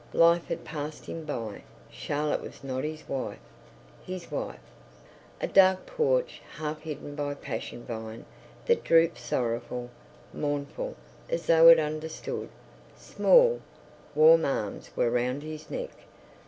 Life had passed him by. Charlotte was not his wife. His wife! ... A dark porch, half hidden by a passion vine, that drooped sorrowful, mournful, as though it understood. Small, warm arms were round his neck.